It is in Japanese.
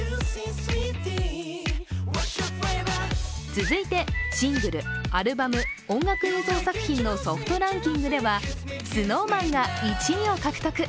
続いてシングル、アルバム、音楽映像作品のソフトランキングではＳｎｏｗＭａｎが１位を獲得。